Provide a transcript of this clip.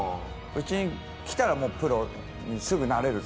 うちに来たらもうプロにすぐなれるぞ。